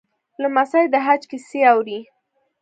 لمسی د حج کیسې اوري.